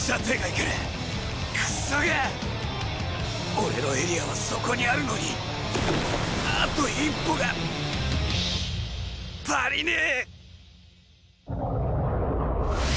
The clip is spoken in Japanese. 俺のエリアはそこにあるのにあと一歩が足りねえ！